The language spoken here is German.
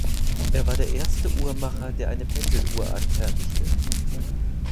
Er war der erste Uhrmacher, der eine Pendeluhr anfertigte.